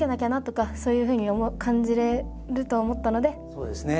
そうですね。